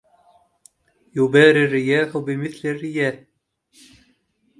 يباري الرياح بمثل الرياح